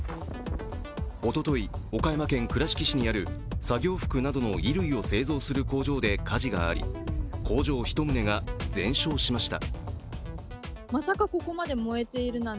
おととい、岡山県倉敷市にある作業服などの衣類を製造する工場で火事があり工場１棟が全焼しました。